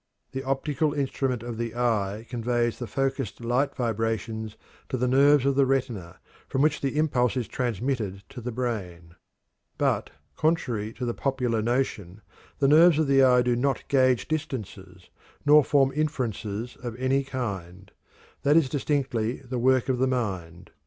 The optical instrument of the eye conveys the focused light vibrations to the nerves of the retina, from which the impulse is transmitted to the brain. But, contrary to the popular notion, the nerves of the eye do not gauge distances, nor form inferences of any kind; that is distinctly the work of the mind.